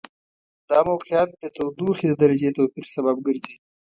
دا موقعیت د تودوخې د درجې توپیر سبب ګرځي.